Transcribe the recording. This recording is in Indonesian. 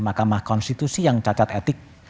mahkamah konstitusi yang cacat etik